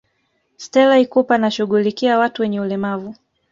stela ikupa anashughulikia watu wenye ulemavu